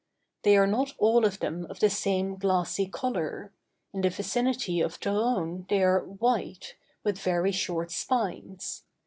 They are not all of them of the same glassy color; in the vicinity of Torone they are white, with very short spines.